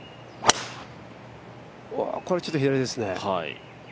うわ、これちょっと左ですね。